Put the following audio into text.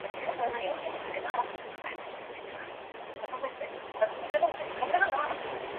天井から明智の声がひびいてきたのです。しかも、当の探偵は目の前に、じっと口をつぐんですわっています。まるで魔法使いです。